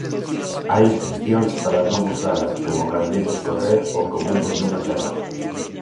Hai excepcións para non usalas, como cando imos correr ou comemos nunha terraza.